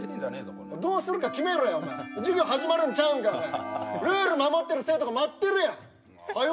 コラッどうするか決めろやお前授業始まるんちゃうんかお前ルール守ってる生徒が待ってるやんはよ